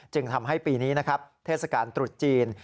จึงทำให้ปีนี้นะครับเทศกาลตรุษจีน